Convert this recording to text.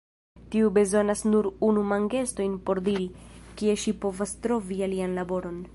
Tiu bezonas nur unu mangeston por diri, kie ŝi povas trovi alian laboron.